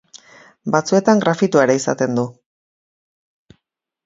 Batzuetan grafitoa ere izaten du.